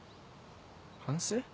反省？